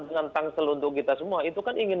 dengan tangsel untuk kita semua itu kan ingin